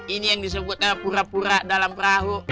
ini yang disebut kura kura dalam perahu